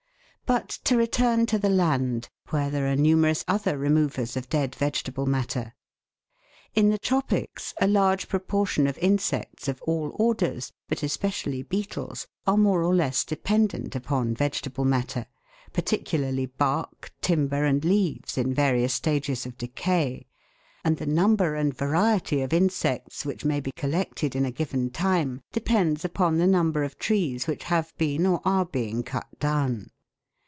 But to return to the land, where there are numerous other removers of dead vegetable matter. In the tropics a large proportion of insects of all orders, but especially beetles, are more or less dependent upon vegetable matter, particularly bark, timber, and leaves in various stages of decay, and the number and variety of insects which may be collected in a given time depends upon the number of trees which have been or are being cut down.